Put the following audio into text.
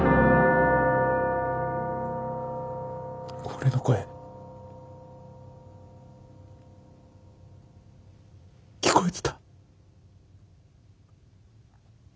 俺の声聞こえてた？